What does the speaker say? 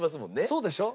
そうでしょ？